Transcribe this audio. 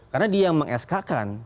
karena dia yang meng sk kan